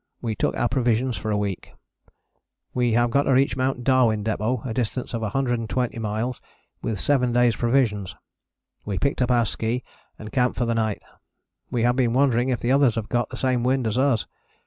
We took our provision for a week. We have got to reach Mt. Darwin Depôt, a distance of 120 miles, with 7 days' provisions. We picked up our ski and camped for the night. We have been wondering if the others have got the same wind as us.